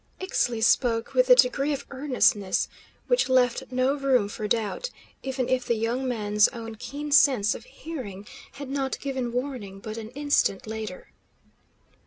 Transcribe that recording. Ixtli spoke with a degree of earnestness which left no room for doubt, even if the young man's own keen sense of hearing had not given warning but an instant later.